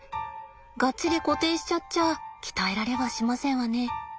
がっちり固定しちゃっちゃあ鍛えられはしませんわね。